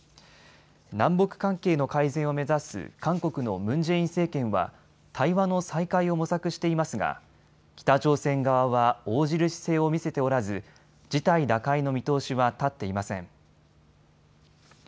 南北関係の改善を目指す韓国のムン・ジェイン政権は対話の再開を模索していますが北朝鮮側は応じる姿勢を見せておらず事態打開の見通しは立っていません。